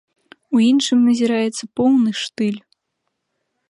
У іншым назіраецца поўны штыль.